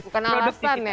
bukan alasan ya